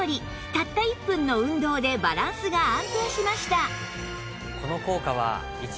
たった１分の運動でバランスが安定しました